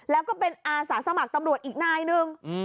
แล้วก็เป็นอาสาสมัครตำรวจอีกนายหนึ่ง